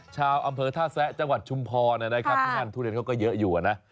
ชาวอำเภอท่าแสะจังหวัดชุมพอทุเรียนเขาก็เยอะอยู่อ่ะนะ